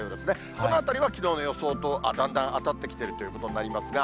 このあたりは、きのうの予想とだんだん当たってきているということになりますが。